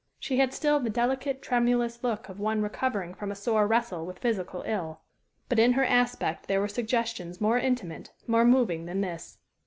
She had still the delicate, tremulous look of one recovering from a sore wrestle with physical ill; but in her aspect there were suggestions more intimate, more moving than this.